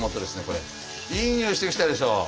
いい匂いしてきたでしょう。